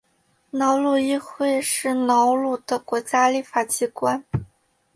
瑙鲁议会是瑙鲁的国家立法机关。